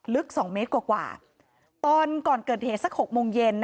ลึก๒เมตรกว่าตอนก่อนเกิดเหตุสัก๖โมงเย็น